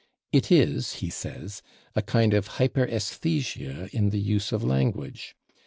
"It is," he says, "a kind of hyperesthesia in the use of language.